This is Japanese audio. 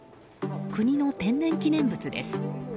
国の天然記念物です。